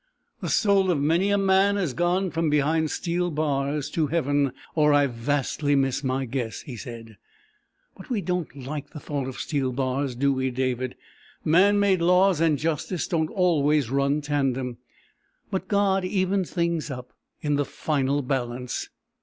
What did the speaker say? "The soul of many a man has gone from behind steel bars to heaven or I vastly miss my guess," he said. "But we don't like the thought of steel bars, do we, David? Man made laws and justice don't always run tandem. But God evens things up in the final balance.